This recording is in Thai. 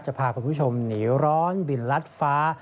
พาคุณผู้ชมหนีร้อนบินลัดฟ้า